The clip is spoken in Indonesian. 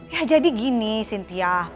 ya jadi gini sintia